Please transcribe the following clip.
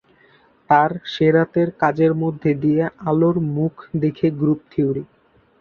তাঁর সে রাতের কাজের মধ্যে দিয়ে আলোর মুখ দেখে গ্রুপ থিওরি।